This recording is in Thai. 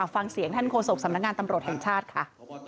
ฟังเสียงท่านโฆษกสำนักงานตำรวจแห่งชาติค่ะ